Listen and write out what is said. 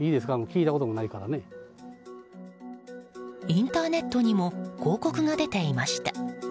インターネットにも広告が出ていました。